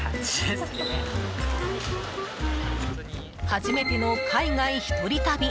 初めての海外一人旅。